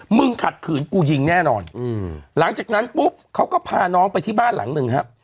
ขัดขืนกูยิงแน่นอนอืมหลังจากนั้นปุ๊บเขาก็พาน้องไปที่บ้านหลังหนึ่งครับ